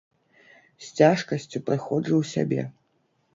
З цяжкасцю прыходжу ў сябе.